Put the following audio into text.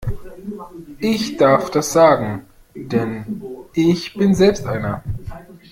Ich darf das sagen, denn ich bin selbst einer!